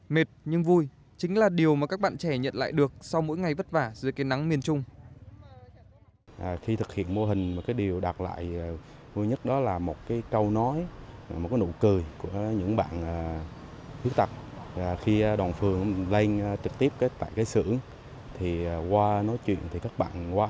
mệt nhưng vui chính là điều mà các bạn trẻ nhận lại được sau mỗi ngày vất vả dưới cái nắng miền trung